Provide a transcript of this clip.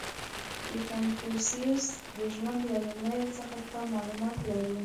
• د کنفوسیوس د ژوند له لومړیو څخه کم معلومات لرو.